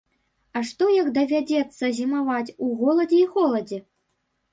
А што як давядзецца зімаваць у голадзе і холадзе?